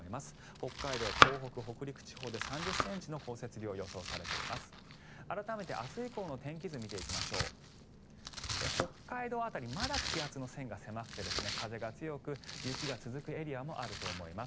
北海道、東北、北陸地方で３０ｃｍの降雪量が予想されています。